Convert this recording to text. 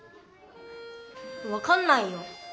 わかんないよ。